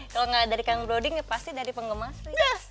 kalau gak dari kang broding ya pasti dari penggemas sri